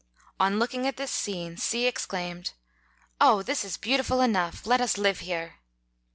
On looking at this scene, C exclaimed, " Oh ! this is beautiful enough ; let us live here."